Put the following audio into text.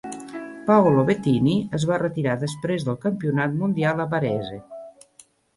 Paolo Bettini es va retirar després del campionat mundial a Varese.